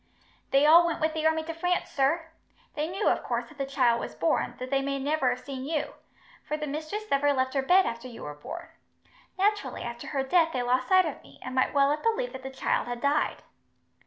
"They all went with the army to France, sir. They knew, of course, that the child was born, though they may never have seen you, for the mistress never left her bed after you were born. Naturally, after her death they lost sight of me, and might well have believed that the child had died."